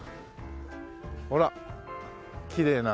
ほらきれいな。